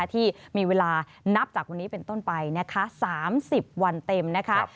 ที่มีเวลานับจากวันนี้เป็นต้นไปนะคะ๓๐วันเต็มนะคะ